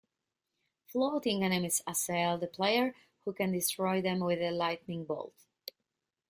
Floating enemies assail the player, who can destroy them with a lightning bolt.